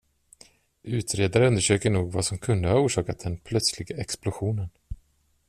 Utredare undersöker nog vad som kunde ha orsakat den plötsliga explosionen.